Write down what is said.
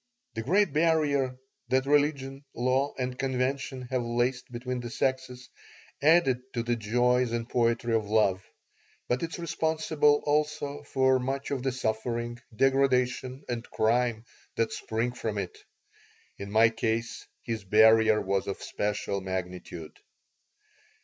The great barrier that religion, law, and convention have laced between the sexes adds to the joys and poetry of love, but it is responsible also for much of the suffering, degradation, and crime that spring from it. In my case his barrier was of special magnitude.